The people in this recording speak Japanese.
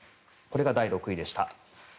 これが第６位でした。